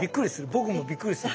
僕もびっくりする。